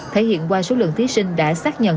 thể hiện qua số lượng thí sinh đã xác nhận